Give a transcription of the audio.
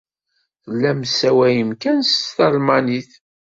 Tellam tessawalem kan s talmanit.